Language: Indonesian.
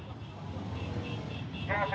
ya selamat siang sarah